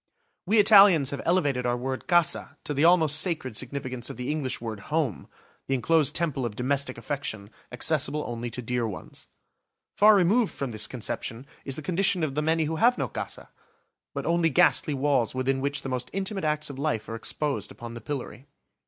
We Italians have elevated our word "casa" to the almost sacred significance of the English word "home," the enclosed temple of domestic affection, accessible only to dear ones. Far removed from this conception is the condition of the many who have no "casa," but only ghastly walls within which the most intimate acts of life are exposed upon the pillory.